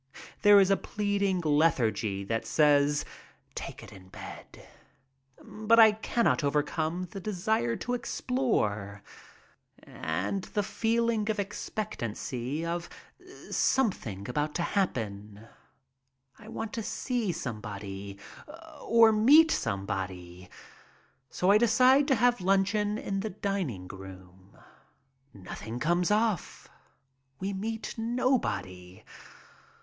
There is a pleading lethargy that says, "Take it in bed," but I cannot overcome the desire to explore and the feeling of expectancy of something about to happen — I was to see somebody or meet somebody — so I decide to have luncheon in the dining room. I am giving myself the emotional stimulus. Nothing comes off. We meet nobody.